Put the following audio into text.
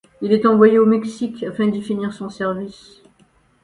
Il est envoyé au Mexique afin d’y finir son service.